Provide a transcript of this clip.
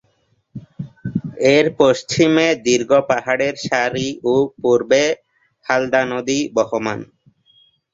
এর পশ্চিমে দীর্ঘ পাহাড়ের সারি ও পূর্বে হালদা নদী বহমান।